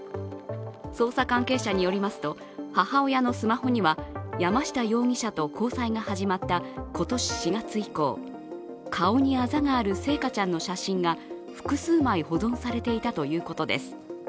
捜査関係者によりますと、母親氏のスマートフォンには山下容疑者と交際が始まった今年４月以降顔にあざがある星華ちゃんの写真が複数枚保存されていたということです。